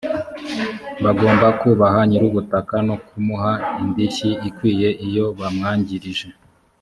bagomba kubaha nyirubutaka no kumuha indishyi ikwiye iyo bamwangirije